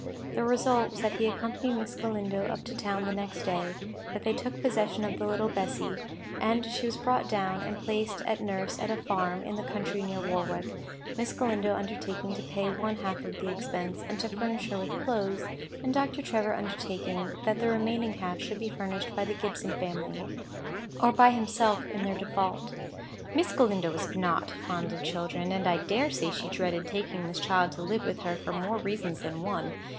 The result was that he accompanied Miss Galindo up to town the next day; that they took possession of the little Bessy, and she was brought down, and placed at nurse at a farm in the country near Warwick, Miss Galindo undertaking to pay one half of the expense, and to furnish her with clothes, and Dr. Trevor undertaking that the remaining half should be furnished by the Gibson family, or by himself in their default. Miss Galindo was not fond of children; and I dare say she dreaded taking this child to live with her for more reasons than one.